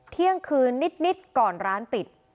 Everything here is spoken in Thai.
เที่ยงคืนนิดก่อนร้านปิด